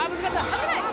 危ない！